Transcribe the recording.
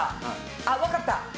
あっわかった。